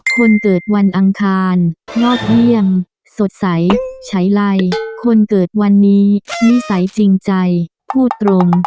คนเกิดวันอังคารยอดเยี่ยมสดใสใช้ไลคนเกิดวันนี้นิสัยจริงใจพูดตรง